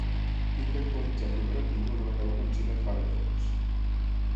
Tenir actualitzat i operatiu el navegador Mozilla Firefox.